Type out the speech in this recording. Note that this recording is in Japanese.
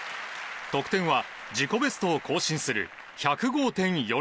得点は自己ベストを更新する１０５．４６。